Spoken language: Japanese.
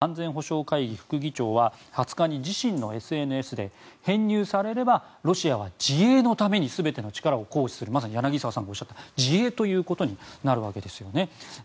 ロシア前大統領のメドベージェフ安全保障会議副議長は２０日に自身のＳＮＳで編入されれば、ロシアは自衛のために全ての力を行使するまさに柳澤さんがおっしゃった自衛ということになるわけですね。